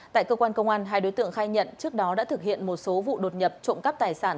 tại cơ quan công an hai đối tượng khai nhận trước đó đã thực hiện một số vụ đột nhập trộm cắp tài sản